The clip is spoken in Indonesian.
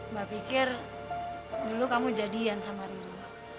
mbak pikir dulu kamu jadian sama ridho